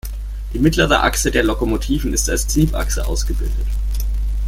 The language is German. Die mittlere Achse der Lokomotiven ist als Triebachse ausgebildet.